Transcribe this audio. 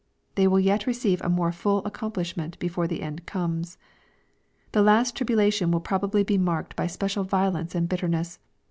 — They will yet receive a more full ac complishment before the end comes. The last tribula tion will probably be marked by special violence and bit terness.